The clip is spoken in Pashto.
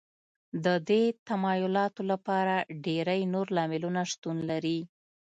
د دې تمایلاتو لپاره ډېری نور لاملونو شتون لري